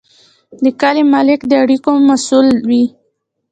د کلي ملک د اړیکو مسوول وي.